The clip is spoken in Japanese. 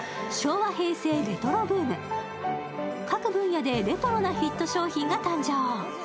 各分野でレトロなヒット商品が誕生。